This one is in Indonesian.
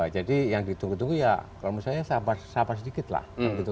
jadi yang ditunggu tunggu ya kalau menurut saya sabar sedikit lah